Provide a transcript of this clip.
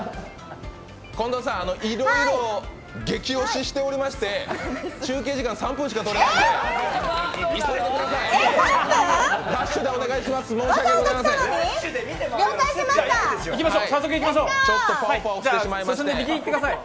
近藤さん、いろいろ激押ししておりまして、中継時間３分しかとれませんので、急いでください。